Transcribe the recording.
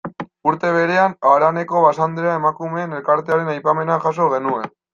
Urte berean, haraneko Basanderea emakumeen elkartearen aipamena jaso genuen.